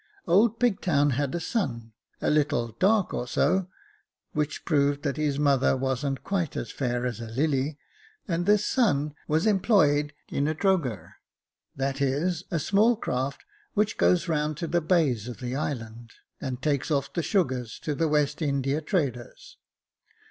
Old Pigtown had a son, a little dark or so, which proved that his mother wasn't quite as fair as a lily, and this son was employed in a drogher, that is, a small craft which goes round to the bays of the island, and takes off the sugars to the West India traders.